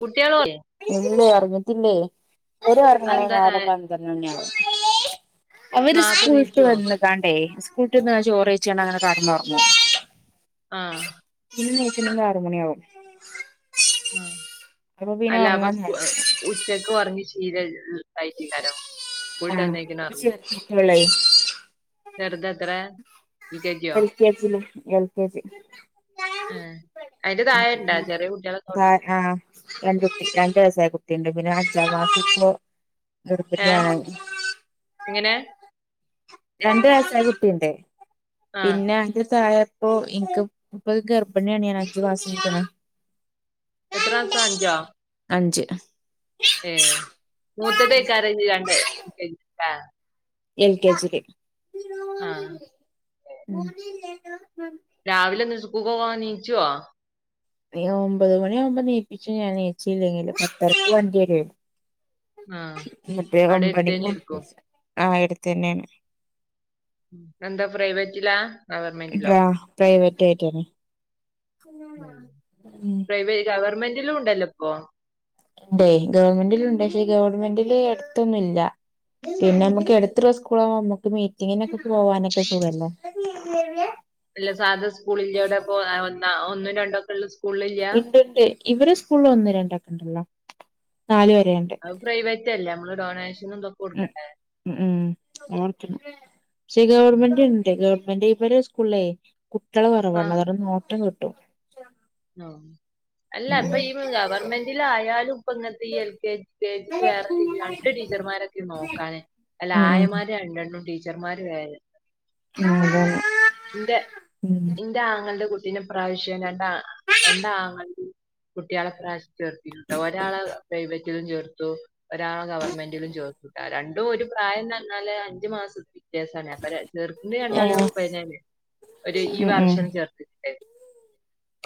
കുട്ടിയേള് ഒ- ഇല്ലേ ഒറങ്ങിറ്റില്ലേ, ഓര് ഒറങ്ങണ ഈ അതെന്താ നേരം പന്ത്രണ്ട് മണിയാവോ? അവര് നാർത്തെ സ്കൂള് വിട്ട് എണീക്കുവോ വന്ന്. ദാണ്ടേ സ്കൂള്ട്ട് വന്ന് ഉം ചോറ്- കഴിച്ചാണ്ടങ്ങന കെടന്ന് ഒറങ്ങും. ആഹ് പിന്ന എണീക്കുമ്പ ആറ് മണി ആകും. ഉം അപ്പൊ പിന്നെ അല്ല അപ്പ ഒറങ്ങാൻ നേരം സ്കൂള് ഉറ്റക്ക് ഒറങ്ങി ശീല ഇല്ലല്ലോ, ഇണ്ടായിട്ടില്ലല്ലോ. ആഹ് ഇപ്പ ചേർത്തിട്ടൊള്ളത്. ചെറുതെത്രെ യു. കെ. ജി. യോ? L K. ജില്, എൽ. കെ. ജി. ആഹ് അയ്ന്റെ താഴയുണ്ടാ ചെറിയ കുട്ടികളൊക്ക, [unintelligible] ആഹ് രണ്ട് കു, രണ്ടു വയസായ കുട്ടിയുണ്ട് പിന്നെ- ഏഹ് [unintelligible] എങ്ങനെ? രണ്ട് വയസായ കുട്ടിണ്ട് ആഹ് പിന്നെ, അയ്ന്റെ താഴെ- ഇപ്പോ എൻക്ക് ഇപ്പോ, ഗർഭിണിയാണ് ഞാൻ. അഞ്ച്മാസയ്ക്ക്ണ്. എത്ര മാസാ അഞ്ചോ? അഞ്ച്. ഏഹ് മൂത്തതേക്കരം കര്തിക്കാണ്ട് കഴിഞ്ഞ്ട്ടാ. എൽ. കെ. ജീല്. ആഹാ. ഉം. രാവിലെന്ന് ഇസ്കൂള്കൊവാന്- നീച്ചോ? അയിനൊമ്പത് മണിയാവുമ്പോ- ന്നീപ്പിച്ചും, ഞാനെ ന്നീച്ചില്ലെങ്കില്. പത്തരക്ക് വണ്ടി വെരുയ്. ആഹ് മറ്റേ അവിടെ അടുത്തന്നെ ഒമ്പണിക്കും ആയിരിക്കും ബെസ്, ആഹ് എടുത്തെന്നെണ്. ഉം എന്താ പ്രൈവറ്റിലാ, ഗവൺമെന്റിലോ? പ്രൈവറ്റയിറ്റെന്നെ. ഉം പ്രൈവെ, ഗവർമെന്റിലുംണ്ടല്ലപ്പോ. ഇണ്ടേയ് ഗവൺമെന്റിലുണ്ട് പഷെ, ഗവൺമെന്റില്- അടുത്തൊന്നുംല്ല. പിന്നെ അമ്മക്ക് എട്ത്തുള്ള സ്കൂളാവുംമ്പോ അമ്മക്ക്- മീറ്റിങ്ങിനൊക്കെ പോവാനൊക്കെ സുഖല്ലേ. ഇല്ല സാധ സ്കൂൾ ഇല്ലോലപ്പോ ആഹാ ഒന്ന, ഒന്നും രണ്ടൊക്കെള്ളസ്- ഇണ്ട്ണ്ട് ഇവരെ സ്കൂള്ല് ഒന്ന്- രണ്ടാക്കണ്ടല്ലോ ന്നാല് വരെണ്ട്. പ്രൈവറ്റ്ല്ലേ അമ്മള്- ഡൊണേഷനുംതൊക്- ഉം ഉം ഉം ഓട്ക്കും ഷെ- ഗവർമെന്റ് - [inaudible] ഗവൺമെന്റ് ഇവരെ- സ്കൂളിലേയ് കുട്ട്യാള് കൊറവാണ്. അതൊണ്ട്ന്നോട്ടം കിട്ടും. ആഹ് അല്ല ഉം ഇപ്പോ ഈ- ഗവൺമെന്റിലായാലും ഇപ്പ ഇങ്ങൻതീ എൽ. കെ. ജ്- കേജിക്ക് വേറെത്തിരിയാണ്. എട്ട് ടീച്ചർമാരൊക്കെ നോക്കാന് ഉം അയ്യാമാർ രണ്ടെണ്ണും ടീച്ചർമാര് വെറിം. അതന്നെ ഇന്റെ ഉം ഉം ഇന്റെആങ്ങളന്റെ കുട്ടീനെ ഈ പ്രാവ്ശ്യം രണ്ടാ രണ്ടാങ്ങൾന്റിം കുട്ട്യാളെ ഇപ്രാവ്ശ്യം ചേർത്തിനുട്ടോ ഒരാളെ പ്രൈവറ്റിലും ചേർത്തു ഒരാളെ ഗവർമെന്റിലും ചെർത്തു രണ്ടും ഒരു പ്രായംഎന്ന് പറഞ്ഞാല് അഞ്ചു മാസത്തിന്റെ വ്യത്യാസാണ് അപ്പോ ചേർക്കുമ്പോൾ രണ്ടു പേരെയു ഒപ്പന്നല്ലെ ഒരു ഈ വർഷം ചേർത്ത്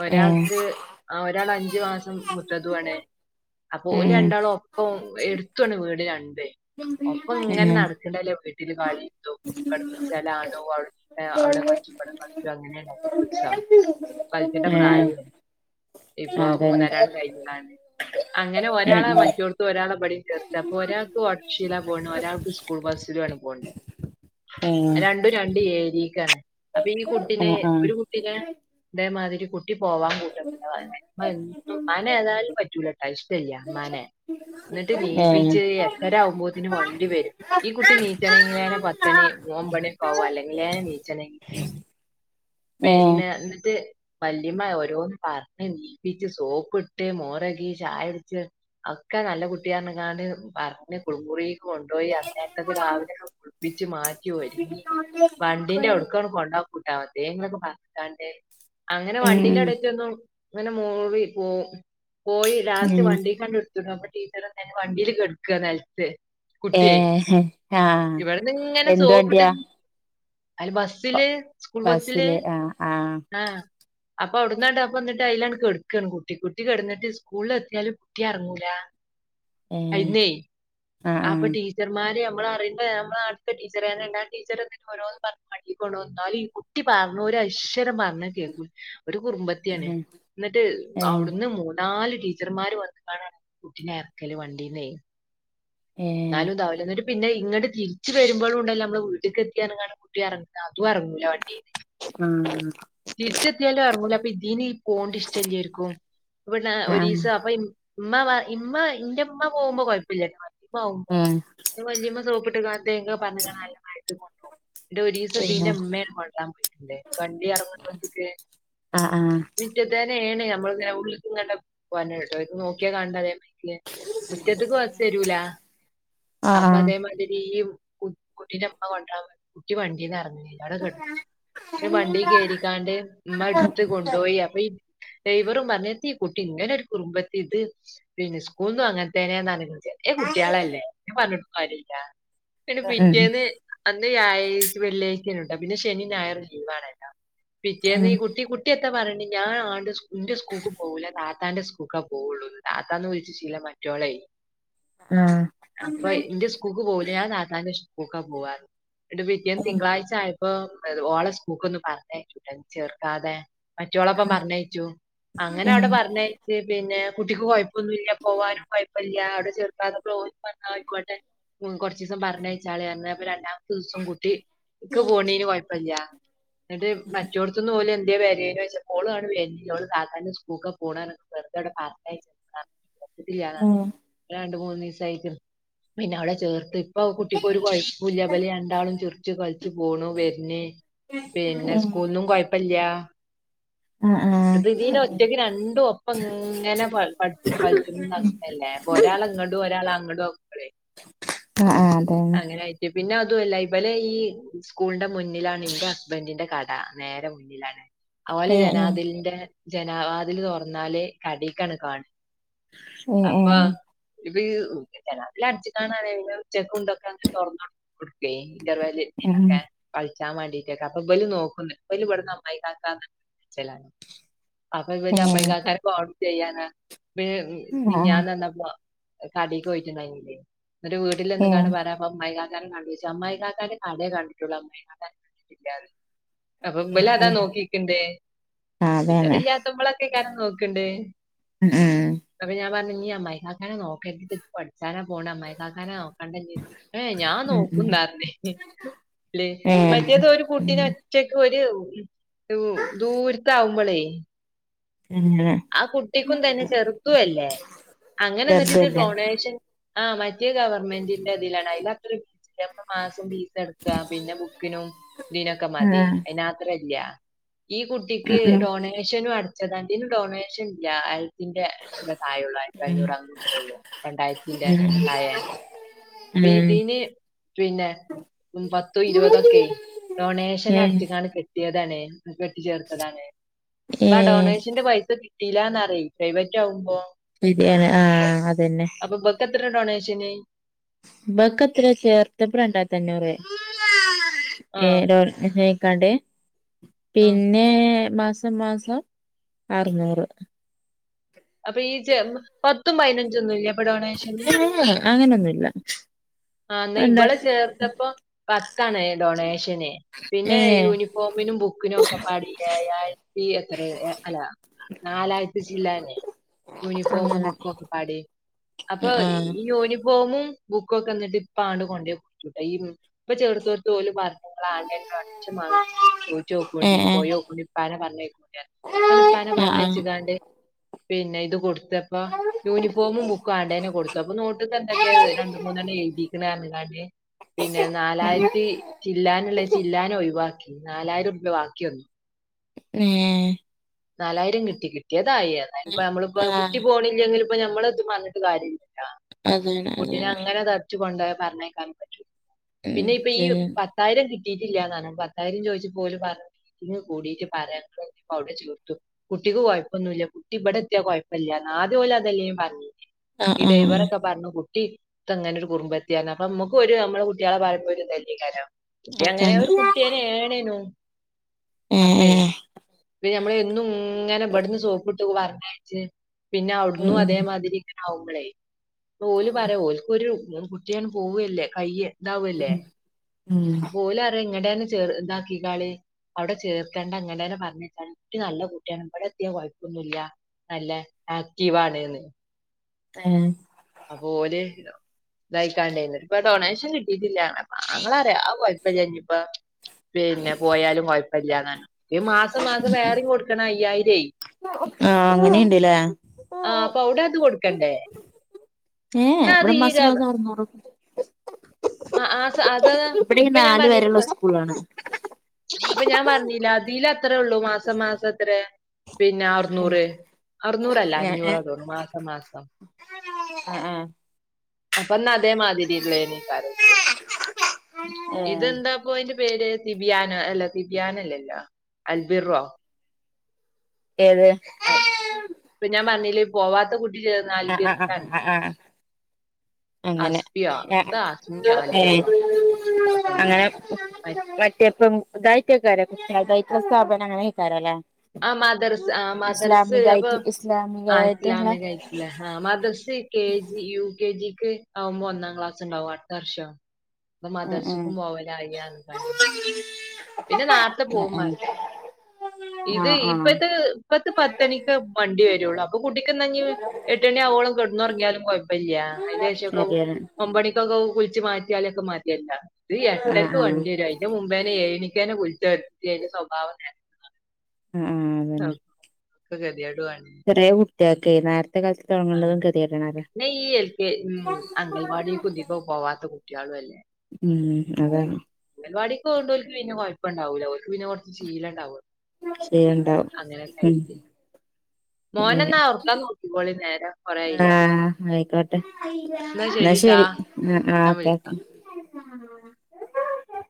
ഒരാൾക്ക് ആഹ് ഒരാൾ അഞ്ചു മാസം മൂത്തതുവാണ് അപ്പോ ഓല് രണ്ടാളും ഒപ്പം എടുത്തുയാണ് വീട് രണ്ടുഉം ഒപ്പം ഇങ്ങനെ നടക്കുന്നതല്ലേ വീട്ടിലും കളിയിലും ഇവിടെ കളിക്കും അങ്ങോട്ട്‌ പോകും അവിടെ കളിക്കുമ്പോൾ ഇവിടെയും കളിക്കും അങ്ങനെണ് ദിവസം അതിന്റെ പ്രായം അല്ലേ ഇപ്പൊ അതാണ് മൂന്നരണ് കഴിഞ്ഞ്ക്കാണ്ട് അങ്ങനെ ഉം ഒരാളെ മറ്റൊട്ത് ഒരാളെ ഇപടിം ചേർത്ത് അപ്പൊ ഒരാൾക്ക് ഒട്ടെർഷിലാ പോണ് ഒരാൾക്ക് സ്കൂൾ ബസ്സിലുമാണ് പോക്കുന്നെ ഉം രണ്ടും രണ്ടും അയിൽ ക്കാണ് അപ്പൊ ഈ ഉം ഉം കുട്ടിനെ ഉം ഉം ഏഹ് അതന്നെ ഉം ഉം ഉം ഉം ഒരു കുട്ടിനെ ഇതെമാതിരി കുട്ടി പോവാൻ കൂട്ടക്കുല ഇമ്മയെന്നും ഇമ്മനെ ഏതാലും പറ്റൂലട്ടോ ഇഷ്ടല്ല ഇമ്മാനെ എന്നിട്ട് ഏഹ് നീപ്പിച്ച് എട്ടരാവുംമ്പോത്തിന് വണ്ടി വെരും. ഈ കുട്ടി എനിക്കാണെങ്കിൽ പത്തണി ഒമ്പണിക്കാവും അല്ലെങ്കിലെ എനിക്കാണെങ്കിൽ ഏഹ് ഉം പിന്നെ എന്നിട്ട് വല്ലിമ്മ ഓരോന്ന് പറഞ്ഞ് എണീപ്പിച്ചു സോപ്പിട്ട് മുഖകഴുകി ചായകുടിച്ചു ഒക്കെ നല്ല കുട്ടിയാണ് എന്ന് പറഞ്ഞു കുളിമുറിയിലേക്ക് കൊണ്ടുപോയി അന്നെരത്തൊക്കെ രാവിലെ കുൾപ്പിച്ച് മാറ്റി ഒരുക്കി വണ്ടിന്റെ അടുത്തേക്ക് കൊണ്ടുപോകും എന്തെങ്കിലൊക്കെ പറഞ്ഞ്ക്കാണ്ട് അങ്ങനെ വണ്ടിന്റെ ഉം അവ്ടെറ്റൊന്നും അങ്ങനെ മൂളി പോവും പോയി ലാസ്റ്റ് വണ്ടിക്കു അങ്ങട്ട് അപ്പോ ടീച്ചറന്നെ വണ്ടില് കിടക്കുകയാ നിലത്തു ഏഹ് ആഹ് കുട്ടിയേഇവിടുന്ന് ഇങ്ങനെ എന്ത് സോപ്പിട്ട് വണ്ടിയാ അയൽവാസി ബസ്സില് സ്കൂൾ ബസില് ബസ്സില് ആഹ് ആഹ് അപ്പൊ അവ്ടന്നണ്ട് അപ്പന്ന്ട്ട് അയിലണ് കെട്ക്കാണ് കുട്ടി അപ്പോ അവിടെന്ന് കുട്ടികെടന്നിട്ട് സ്കൂളിലെത്തിയാലും ഇറങ്ങൂല ഏഹ് അയിനെ ആഹ് അപ്പോ ടീ ടീച്ചർമാര് നമ്മളറിയുന്ന നമ്മുടെ നാട്ടിത്തെ ടീച്ചർമാരുണ്ട് ആ ടീച്ചർ എന്നിട്ട് ഓരോന്ന് ആക്കി കൊണ്ട് വന്നാലും ഈ കുട്ടി കുട്ടി പറഞ്ഞു ഒരക്ഷരം പറഞ്ഞ കേൾക്കൂല ഒരു കുറുമ്പത്തി ത്തിയാണ് ഏഹ് എന്നിട്ട് ഏഹ് അവിടുന്ന് നാല് ടീച്ചർമാര് വന്നിട്ടാണ് കുട്ടിനെ ഇറക്കല് വണ്ടീന്നേ ഏഹ് ന്നാലും ഇതാവില്ല എന്നിട്ട് പിന്നെ ഇങ്ങട് തിരിച്ച് വരുമ്പോഴുണ്ടല്ലോ നമ്മള് വീട്ടിക്കെത്തിയാൽ കുട്ടി ഇറങ്ങോ അതും ഇറങ്ങൂലാ വണ്ടീന്ന് ഉം തിരിച്ചെത്തിയാലും ഇറങ്ങൂല അപ്പൊ ഇതീനി ഈ പോക്കുന്നത് ഇഷ്ടല്ലായിരിക്കും അപ്പോ പിന്നെ ഒരു ആഹ് ദിവസം അപ്പൊ ഉമ്മ വാ ഇമ്മ ഇന്റെ ഉമ്മ പോകുമ്പോ കുഴപ്പില്ല ഉമ്മ പോവുമ്പോ ഏഹ് വല്യമ്മ സോപ്പിട്ട് കാ എന്തൊക്കെ പറഞ്ഞിക്കണ അതെ മാരി ന്റെ ഒരു ദിവസം പിന്നെ തീന്റെ ഉമ്മയാ കൊണ്ടക്കാൻ പോയിട്ടുണ്ട് വണ്ടി ഇറങ്ങണ്ടോട്ത്തേക്ക് ആഹ് ആഹ് മുറ്റത്തന്നെണ് നമ്മള് ഉള്ളിൽ നിന്നങ്ങാണ്ട് പോകാനായിട്ട് അവര് നോക്കിയാ കാണണ്ട ഇതേമാരി മുറ്റത്ത്ക്ക് ബസ് വരൂലാ അപ്പൊ ആഹ് അതേമാതിരി ഈ കുട്ടീന്റെ അമ്മ കൊണ്ടരാൻ വരും കുട്ടി വണ്ടീന്ന് ഇറങ്ങി പിന്നെ വണ്ടി കേയറിക്കാണ്ട് ഉമ്മ എടുത്ത് കൊണ്ടുപോയി അപ്പൊ ഈ ഡ്രൈവറും പറഞ്ഞു എതി ഈ കുട്ടി ഇങ്ങനെ ഒരു കുറുമ്പത്തി ഇത് പിന്നെ സ്കൂളിന്നും അങ്ങനെ തന്നെയാന്ന് വെച്ചേ കുട്ടികളല്ലേ പറഞ്ഞിട്ട് കാര്യല്ലാ പിന്നെ ആഹ് പിറ്റേന്ന് അന്ന് വ്യഴാഴ്ച വെള്ളിയാഴ്ചയാണ് ട്ടാ പിന്നെ ശനി ഞായർ ലീവാണല്ലോ പിറ്റേന്ന് ഈ കുട്ടി ട്ടിയൊക്കെ പറയണ്ട് ഞാൻ ആന്റെ എന്റെ സ്കൂൾക്ക് പോകില്ല താത്താന്റെ സ്കൂൾക്കാ പോകുള്ളൂ താത്താന്ന് വിളിച്ച് ശീലമായി ട്ടിയോളെ ആഹ് അപ്പ ഇന്റെ സ്കൂക്ക് പോകൂലാ ഞാൻ താത്താന്റെ സ്കൂക്കാ പോവാ ർഞ്. എന്നിട്ട് പിറ്റേന്ന് ഉം തിങ്കളാഴ്ച ആയ പ്പൊ ഓളെ സ്‌കൂക്കൊന്ന് പറഞ്ഞയച്ചൂട്ടോ ചേർക്കാതെ മറ്റോളൊപ്പം പർഞ്ഞയച്ചു അങ്ങനെ ഉം അവ്ടെ പർഞ്ഞയ് ച്ച് പിന്നെ കുട്ടിക്ക് കുഴപ്പൊന്നുല്ല പോവാനും കൊയ്പ്പല്ല്യാ. അവ്ടെ ചെർ ത്താർഞപ്പം ഓലും പർഞ് ആഹ് അയിക്കോട്ടെ കൊർച്ചീസം പർഞ്ഞയച്ചാളി പർഞ്. അപ്പം രണ്ടാ മത്തീസം കുട്ടി ക്ക് പോണീന് കൊയപ്പല്ല്യാ ന്നട്ട് മറ്റോട്ത്ത്ന്ന് ഓല് എന്തേ വരേനോയ്ച പ്പോള് അങ്ങട് വര്ണില്ല ഓള് താത്താന്റെ സ്കൂക്കാ പോണാർഞ്ട്ട് വെറുതവിടെ പർഞ്ഞയച്ചക്കാണ്. [unintelligible] ആഹ് ഉം ഉം രണ്ട് മൂന്ന് ദിവസായിക്ക് പിന്നെ അവളെ ചേർത്തി ഇപ്പൊ കുട്ടിക്ക് ഒരു കൊയ്പ്പുല്ലാ. ഇബല് രണ്ടാളും ചിറിച്ച് കളിച്ച് പോണു വര്ന് പിന്നെ ഉം ഉം സ്കൂൾന്നും കൊഴപ്പല്ല ആഹ് ആഹ് ഇത് ഇതിന് ഒറ്റക്ക് രണ്ടും ഒപ്പം ഇങ്ങനെ പ പഠ്ച്ചു കൾച്ച്ണിം ഇതാക്ക്ണ അല്ലെ. പ്പൊ രാള ഇങ്ങടും ഒരാള അങ്ങടും ആക്കുമ്പളേ. അങ്ങനെ ആയി റ്റ്. പിന്നെ അതുവല്ല ഇബലെ ഈ സ്കൂളിന്റെ മുന്നിലാണ് ഇന്റെ ഹസ്ബൻഡിന്റെ കട നേരെ മു ന്നിലാണ്. ഓലെ ജനാതിലിന്റെ ജനവാതിൽ തുറന്നാല് കടീക്കാണ് കാണ അപ്പൊ ഇപ്പീ ജനാല അടച്ചിട്ടാണ് പറ്യാ. പിന്നെ ഉച്ചക്കും തൊക്കെ തൊർന്ന് കൊടുക്ക്വേ ഇന്റർവെല്ല് നൊക്കെ കൾച്ചാൻ വാണ്ടിട്ടൊക്കെ അപ്പൊ ഇബല് നോക്കുംന്ന് ഇ ബല് വട്ന്ന് അമ്മായി കാക്കാന്നൊക്കെ വിൾച്ചലാണ്. അപ്പൊ ഇവ ല് അമ്മായിക്കാക്കാനെ കാണും ചെയ്യാണ്. പി ആഹ് ആഹ് മിഞ്ഞാന്ന് വന്നപ്പോ കടീക്ക് പോയിട്ടുണ്ടായിരുന്നില്ലേ. ഇന്നട്ട് വീട്ടില് വന്ന്ക്കാണ്ട് പറ അപ്പൊ അമ്മായി കാക്കാനെ കണ്ടോ പോയ്ച്ചു. അമ്മായി കാക്കാനെ കടേ കണ്ടിട്ടുള്ളു അമ്മായിക്കാക്കാനെ കണ്ടിട്ടില്ലാന്ന്. അപ്പം ഇബലതാ നോക്കിക്ണ്ട് അതന്നെ ടീച്ചറില്ലാത്തപ്പളൊക്കെക്കാരം നോക്കണ്ട് ഏഹ് അപ്പം ഞാൻ പർഞ്ഞ് ഇഞ് അമ്മായി കാക്കാനെ നോക്കര്ത് പഠിച്ചാനാ പോണെ അമ്മായി കാക്കാനെ നോ ക്കണ്ട ഞ്ഞ്. ഏഹ് ഞാൻ ഏഹ് നോക്കുംന്നർഞ്ഞ്. ല്ല് ഏഹ് ഏഹ് മറ്റേത് ഒരു ഉം കുട്ടിനെ ഇച്ചേയ്ക്ക് ഒര് രു ദൂര്ത്താവുമ്പളേ അങ്ങനെ ആഹ് കുട്ടിക്കും തന്നെ ചെറുതും അല്ലേ അങ്ങനെ എന്നിട്ട് ഇത് ചെറുതല്ലേ ഡൊണേഷൻ ആഹ് മറ്റേ ഗവൺമെന്റിന്റെ തിലാണ് അയ്ലത്രിം ചിലേപ്പം മാസം ഫീസ് അടക്കാ പിന്നെ ബുക്കിനും ഇതിനൊക്കെ മതിയേ ആഹ് അയ്നാത്രല്ല. ഈ കുട്ടിക്ക് ഉം ഡൊണേഷനും അടച്ചതാ. ഇതിന് ഡൊണേഷൻ ല്ല. അയ് ത്തിന്റെ തായേ ഉള്ളൂ ആയിരത്തി അഞ്ഞൂറ് അഞ്ഞൂറേ ഉള്ളൂ രണ്ടായിരത്തിന്റെ ഉം തായെ ഇപ്പി ഉം തിന് പിന്നെ ഉം പത്തും ഇരുപതൊക്കെ ഡൊണേഷൻ ഏഹ് അടച്ച്കാണ്ട് കെ ട്ട്യതാണെ. കെട്ടിച്ചേർത്തതാണ് ഇപ്പൊ ആ ഏഹ് ഡൊണേഷന്റെ പൈസ കി ട്ടീല്ലാ ന്നറ്യേ. പ്രൈവറ്റാവുമ്പോ ശരിയാണ് ആഹ് അതന്നെ അപ്പം ഇബക്ക് എത്രെ ഡൊണേഷന്? ഇബക്ക് എത്രെ. ചേർത്ത്യപ്പം രണ്ടായ്ത്തഞ്ഞൂറ് ആ ഏഹ് ഡൊൺ നായ്ക്കാണ്ട് ആ പിന്നേ മാസം മാസം അറുനൂറ് അപ്പൊ ഈ ചെം പത്തും പയിനഞ്ചൊന്നുല്ല പ്പ ഡൊണേഷന്. ഏഹ് അങ്ങനൊന്നുല്ല ആഹ് ന്നാ എന്താ ഇവളെ ചേ ത്തപ്പം പത്താണ് ഡൊണേഷന് പിന്നെ ഏഹ് യൂണിഫോമിനും ബുക്കിനും ഒക്കെപ്പാടെ ഏഴായിരത്തി എത്രയോ അല്ല നാലായ്രത്തി ചില്ലാനെ യൂണിഫോമും അങ്ങനെ ബുക്കും ഒക്കെ പാടെ അപ്പൊ ആഹ് ഈ യൂണിഫോമും ബുക്കൊക്കെ ഇന്നിട്ട്പ്പാണ്ട് കൊണ്ടോയി കൊടുത്തൂട്ടാ ഈ ഇപ്പ ചേർത്തോലിക്ക് [unintelligible] [unintelligible] ചോയിച്ചോക്കോണ്ടി ഏഹ് പോയി ഏഹ് നോക്കണ്ടി [unintelligible] [unintelligible] ഉപ്പാനെ ആഹ് ആഹ് പറഞ്ഞയിച്ച്ക്കാണ്ട് പിന്നെ ഇത് കൊടുത്തപ്പ യൂണിഫോമും ബുക്കും ആണ്ടേന്നെ കൊടുത്തു അപ്പ നോട്ട്ക്ക് എന്തൊക്കെയാ രണ്ട് മൂന്നെണ്ണം എഴുതിക്കണ് പറഞ്ഞ്ങ്ങാണ്ട് പിന്നെ നാലായിരത്തി ചില്ലാനുള്ളേ ചില്ലാന ഒഴിവാക്കി നാലായിരം രൂപ ബാക്കി വന്ന് ഏഹ് നാലായിരം കിട്ടി കിട്ടിയതായി എന്നാലും ഇപ്പ നമ്മളിപ്പോ കുട്ടി ആഹ് പോണില്ലെങ്കിൽ ഇപ്പോ നമ്മളെ ഇത് പറഞ്ഞിട്ട് കാര്യല്ലല്ലോ ആഹ് അതന്നെ കുട്ടീനെ അതന്നെ അങ്ങനെ തച്ച് കൊണ്ടോയി പറഞ്ഞയക്കാനും പറ്റൂ ഉം പിന്നെ ഇപ്പൊ ഈ പത് ശരിയാണ് പത്തായിരം കിട്ടിയിട്ടില്ലാന്ന് പറഞ്ഞ് പത്തായിരം ചോദിച്ചപ്പ ഓല് പറഞ്ഞ് മീറ്റിംഗ് കൂടിയിട്ട് പറയ [unintelligible] കുട്ടിക്ക് കൊയപ്പൊന്നുല്ല കുട്ടി ഇബടെ എത്തിയാ കൊപ്പയില്ലാന്ന് ആദ്യം ഓല് അതല്ലേയിനി പറഞ്ഞെ ഈ ആഹ് ഡൈവറൊക്കെ ആഹ് പറഞ്ഞു കുട്ടി ഇത് അങ്ങനെ ഒരു കുറുമ്പത്തിയാന്ന് അപ്പോ ഇമ്മക്ക് ഒരു നമ്മളെ കുട്ട്യാളെ പറയുമ്പം ഒരിതല്ലേയിക്കാരം കുട്ടി അങ്ങനെ അതാണ് ഒരു കുട്ടിയന്നെയാണേനു ഏഹ് അപ്പേ ഏഹ് ഇപ്പ നമ്മള് ന്നും ഇങ്ങനെ ഇവിടുന്ന് സോപ്പ്ട്ട് പറഞ്ഞയച്ച് പിന്നെ അവിട്ന്നും ഉം അതേമാതിരി ആവുമ്പളെ ഓല് പറയാ ഓല്ക്ക് ഒരു കുട്ടിയാണ് പോവല്ലേ കയ്യെ ഇതാവല്ലേ ഉം ഉം ഉം അപ്പ ഓല് പറിയാ ഇങ്ങടെ ചെറ് ഇതാക്കി കാളി അവിടെ ചേർത്തണ്ട ഇങ്ങനെന്നെ പറഞ്ഞിട്ടാണ് കുട്ടി നല്ല കുട്ടിയാണ് ഇവടെ എത്തിയാ കൊയപ്പൊന്നുല്ല നല്ല ആക്റ്റീവാണ്ന്ന് ഏഹ് അപ്പൊ ഓല് ഇതായിക്കാണ്ടെന്ന് ഇപ്പൊ ഡൊണേഷൻ കിട്ടീട്ടില്ലാ അപ്പ അങ്ങള പറിയാ അത് കൊഴപ്പല്ല ഇഞ്ഞിപ്പോ പിന്നെ പോയാലും കൊഴപ്പയില്ലാന്ന് പർഞ്ഞ് ഈ മാസം മാസം വേറേം കൊടുക്കണം അയ്യായിരെ ആഹ് അങ്ങനെയ്ണ്ട്ല്ലേ ആഹ് അപ്പ അവുടെ അത് കൊടുക്കണ്ടേ ഏഹ് എന്നാ അത് ഇവിടെ ഈ മാസ ഗ മാസ അറുന്നൂറ് [unintelligible] ആഹ് ആഹ് മാസ അത് ഇവിടെ ഈ ഇപ്പൊ ഞാൻ നാല് പറഞ്ഞില്ലേ വരെയുള്ള പത് സ്കൂളാണ് അപ്പൊ ഞാൻ പറഞ്ഞില്ലേ അതില് അത്രേ ഉള്ളൂ മാസം മാസം എത്രാ പിന്നാ നൂറ് അറുന്നൂറല്ല ഏഹ് അഞ്ഞൂറാ ഏഹ് തോന്ന് മാസം മാസം ആഹ് ആഹ് അപ്പൊന്നാ അതേ മാതിരിയില്ലേനി ആ ഇതെന്താപ്പ അയിന്റെ പേര് തിബിയാനോ അല്ല തിബിയാനോ അല്ലല്ലോ അൽബിറോ ഏത് അൽ ഇപ്പൊ ഞാൻ പറഞ്ഞില്ലേ പോവാത്ത കുട്ട് ആഹ് ആഹ് ആഹ് അങ്ങനെ അസ്പിയോ ത ഏഹ് അസ്മിയോ അൽബിറോ ഒക്കെല്ലേ അങ്ങനെ മറ്റേപ്പം ഇതാറ്റായിക്കാരം [unintelligible] സ്ഥാപനം അങ്ങനെ ആയിക്കാരം ല്ലേ ആഹ് മദർസ് ആ മദർസ് അപ്പൊ ആ ഇസ്ലാമികായിട്ടുള്ള ഇസ്ലാമിക്കായി ല്ലെ ആഹ് മദ്രസ്സക്ക് കെ ജി യു കെ ജിക്ക് ആവുമ്പോ ഒന്നാം ക്ലാസ് ഉണ്ടാവും അടുത്ത വർഷം അപ്പ ഉം ഉം മദർസുക്കും പോവൂല [unintelligible] പിന്നെ നാരത്തെ ഉം ഉം പോവുമ്മാണ്ടെ ഇത് ആഹ് ആഹ് ഇപ്പത്തെ ഇപ്പത്തെ പത്തണിക്കാ വണ്ടി വരുള്ളു അപ്പൊ കുട്ടിക്ക്ന്നാ ഇഞ്ഞി എട്ട് മണി ആവോളം കെടന്നൊറങ്ങിയാലും കൊഴപ്പയില്ല അയിൻ്റെ ശേഷൊക്കെ ആവും ശരിയാണ് ഒമ്പണിക്കൊക്കെ കുളിച്ച് മാറ്റിയാലൊക്കെ മതിയിട്ടാ ഇത് ആഹ് എട്ടരക്ക് ആഹ് ആഹ് വണ്ടി വരും അയിന്റെ മുമ്പേനെ ഏഴിന് [unintelligible] സ്വഭാവം [unintelligible] ആഹ് ആഹ് ആഹ് ഒക്കെ ഗതിയേടു ആണ് കൊറെ കുട്ടിയാക്കെ നേരത്തെ കാലത്ത് തൊടങ്ങുന്നതും ഗതിയേടാണ് പി ഈ എൽക്കെ [unintelligible] ഉ അംഗൽവാടി ഇതിക്കും പോവാത്ത കുട്ടികളും അല്ലേ. ഉം, അതെ. അങ്കലവടിക് പോവണ്ടോൽക്ക് പിന്നെ കുഴപ്പ ഉണ്ടാവില്ല. ഓൽക് പിന്നെ കുറച്ച് ശീലം ഉണ്ടാവ ശരിയുണ്ടാവും അങ്ങനെ ക്കെ ഉം ആയിട്ട് ശരിയാണ് മോനെന്നാ ഉറക്കാൻ നോക്കിക്കോളി നേരം കൊറയയില്ലേ. ആഹ് ആയിക്കോട്ടെ എന്നാ ശരി ആ ഞാൻ ഓക്കെ വിളി ഓക്കെ.